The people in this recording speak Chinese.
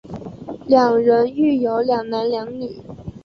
两人育有两男两女。